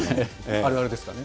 あるあるですかね。